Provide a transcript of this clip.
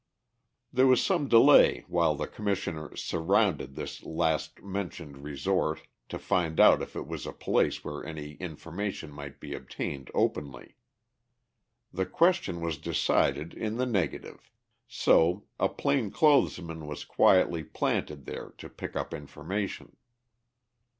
There was some delay while the Commissioner "surrounded" this last mentioned resort to find out if it was a place where any information might be obtained openly. The question was decided in the negative. So a plain clothes man was quietly "planted" there to pick up information.